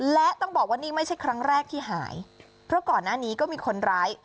และต้องบอกว่านี่ไม่ใช่ครั้งแรกที่หายเพราะก่อนหน้านี้ก็มีคนร้าย